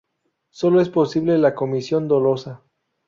Sólo es posible la comisión dolosa.